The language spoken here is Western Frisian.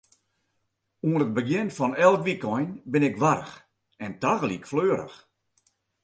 Oan it begjin fan elk wykein bin ik warch en tagelyk fleurich.